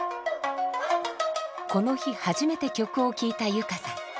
この日初めて曲を聴いた佑歌さん。